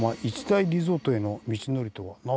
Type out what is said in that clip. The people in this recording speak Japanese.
“一大リゾート”への道のりとは⁉」。